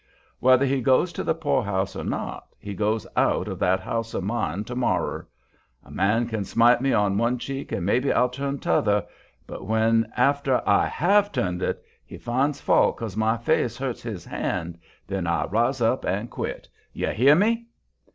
Whether he goes to the poorhouse or not, he goes out of that house of mine to morrer. A man can smite me on one cheek and maybe I'll turn t'other, but when, after I HAVE turned it, he finds fault 'cause my face hurts his hand, then I rise up and quit; you hear ME!"